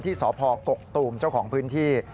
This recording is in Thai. ที่สพกกตูมเจ้าของพื้นที่